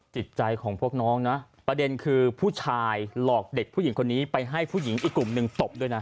จิตใจของพวกน้องนะประเด็นคือผู้ชายหลอกเด็กผู้หญิงคนนี้ไปให้ผู้หญิงอีกกลุ่มหนึ่งตบด้วยนะ